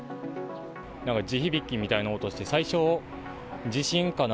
なんか地響きみたいな音して、最初、地震かな